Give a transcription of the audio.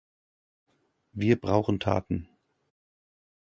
Wir brauchen Taten.